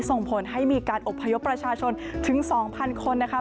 ส่งผลให้มีการอบพยพประชาชนถึง๒๐๐คนนะคะ